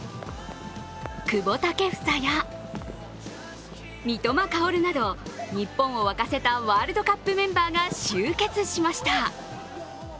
久保建英や三笘薫など日本を沸かせたワールドカップメンバーが集結しました。